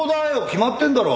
決まってんだろ！